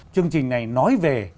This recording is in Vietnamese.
chương trình này nói về